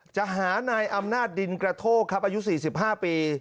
จะหานายอำนาจดินกระโทกครับอายุ๔๕ปี